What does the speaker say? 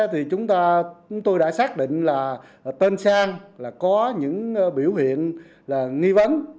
thì chúng tôi đã xác định là tên sang là có những biểu hiện là nghi vấn